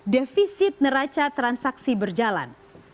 defisit neraca transaksi berjalan